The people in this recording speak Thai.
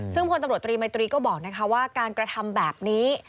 ซึ่งพลตำรวจตรีมัยตรีก็บอกว่าการกระทำแบบนี้